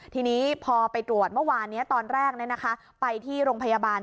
ทีนี้พอไปตรวจเมื่อวานนี้ตอนแรกไปที่โรงพยาบาล